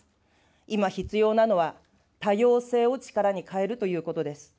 今、必要なのは多様性を力に変えるということです。